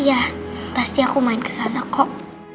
iya pasti aku main kesana kok